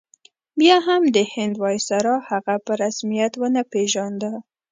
بیا هم د هند ویسرا هغه په رسمیت ونه پېژانده.